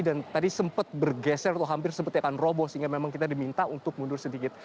dan tadi sempat bergeser atau hampir sempat akan robo sehingga memang kita diminta untuk mundur sedikit